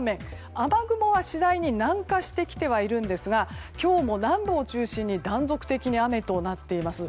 雨雲は次第に南下してきてはいるんですが今日も南部を中心に断続的に雨となっています。